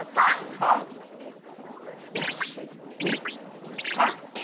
３！１２３。